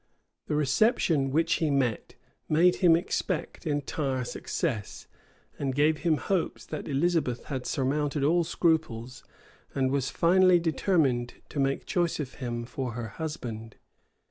The reception which he met with made him expect entire success, and gave him hopes that Elizabeth had surmounted all scruples, and was finally determined to make choice of him for her husband.